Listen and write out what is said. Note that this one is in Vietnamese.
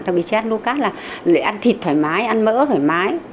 tại vì chết low carb là lại ăn thịt thoải mái ăn mỡ thoải mái